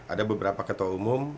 ada beberapa ketua umum